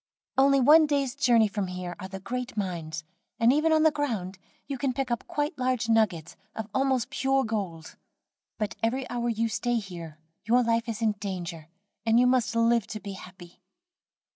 "Only one day's journey from here are the great mines, and even on the ground you can pick up quite large nuggets of almost pure gold; but every hour you stay here your life is in danger, and you must live to be happy.